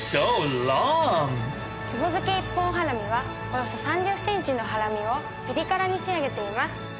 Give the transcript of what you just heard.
壺漬け一本ハラミはおよそ３０センチのハラミをピリ辛に仕上げています。